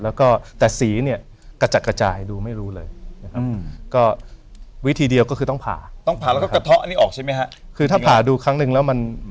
อันนี้คือเนื้อแก้ว